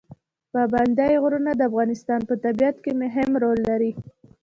پابندی غرونه د افغانستان په طبیعت کې مهم رول لري.